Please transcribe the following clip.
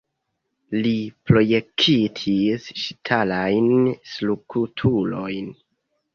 Li projektis ŝtalajn strukturojn.